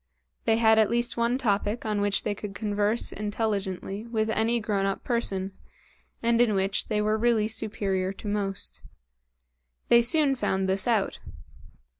They had at least one topic on which they could converse intelligently with any grown up person, and in which they were really superior to most. They soon found this out.